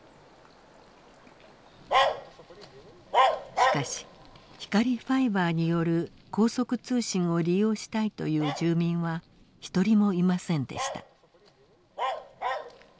しかし光ファイバーによる高速通信を利用したいという住民は一人もいませんでした。